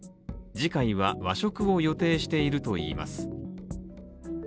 次回は和食を予定しているといいます。